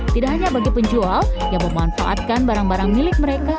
tidak hanya bagi penjual yang memanfaatkan barang barang milik mereka